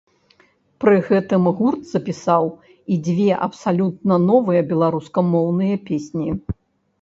Пры гэтым гурт запісаў і дзве абсалютна новыя беларускамоўныя песні.